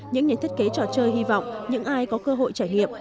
những nhà thiết kế trò chơi hy vọng những ai có cơ hội trải nghiệm